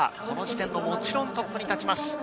この時点のもちろんトップに立ちます。